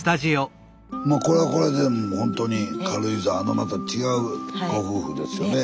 これはこれでもうほんとに軽井沢のまた違うご夫婦ですよね。ね。